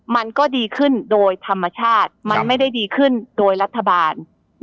มันก็ดีขึ้นโดยธรรมชาติมันไม่ได้ดีขึ้นโดยรัฐบาล